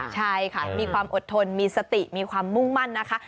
ใช่ค่ะมีความอดทนมีสติมีความมุ่งมั่นนะคะ